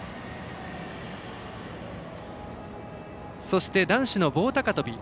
そして、男子の棒高跳び。